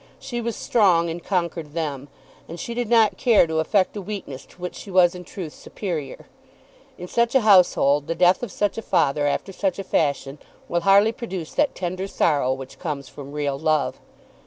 She was strong and conquered them; and she did not care to affect a weakness to which she was in truth superior. In such a household the death of such a father after such a fashion will hardly produce that tender sorrow which comes from real love.